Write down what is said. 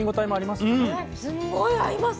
すんごい合います。